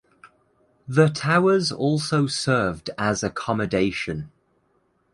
The towers also served as accommodation.